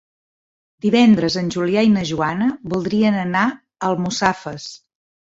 Divendres en Julià i na Joana voldrien anar a Almussafes.